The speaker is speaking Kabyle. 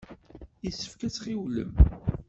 Yessefk ad tɣiwlem.